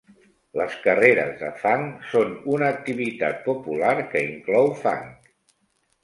Les carreres de fang són una activitat popular que inclou fang.